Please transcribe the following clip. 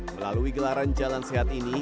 melalui gelaran jalan sehat ini